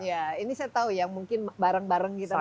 ya ini saya tahu ya mungkin bareng bareng gitu